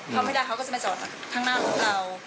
เขาไม่ได้เขาก็จะไปจอดข้างหน้ารถเรา